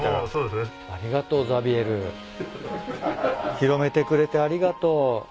広めてくれてありがとう。